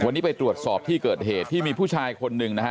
วันนี้ไปตรวจสอบที่เกิดเหตุที่มีผู้ชายคนหนึ่งนะฮะ